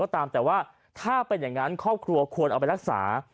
ตามแต่ว่าถ้าเป็นอย่างนั้นครอบครัวควรเอาไปรักษา